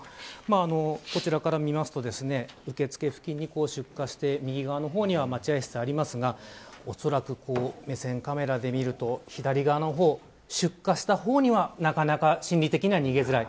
こちらから見ますと受付付近で出火して右側には待合室がありますがおそらく、目線カメラで見ると左側の方、出火した方には心理的には逃げづらい。